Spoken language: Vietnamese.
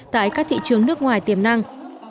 tại các thị trường nước ngoài tiềm năng